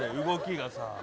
動きがさ。